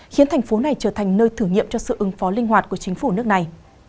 khiến thành phố này trở thành nơi thử nghiệm cho sự ứng phó linh hoạt của chính phủ nước này